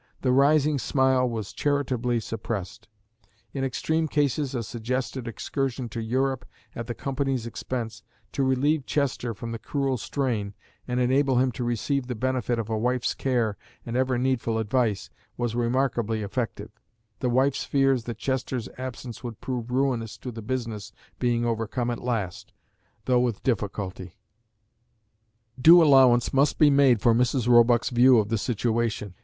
The rising smile was charitably suppressed. In extreme cases a suggested excursion to Europe at the company's expense, to relieve Chester from the cruel strain, and enable him to receive the benefit of a wife's care and ever needful advice, was remarkably effective, the wife's fears that Chester's absence would prove ruinous to the business being overcome at last, though with difficulty. Due allowance must be made for Mrs. Roebuck's view of the situation.